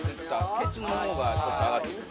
ケツの方がちょっと上がってる。